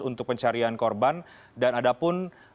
untuk pencarian korban dan ada pun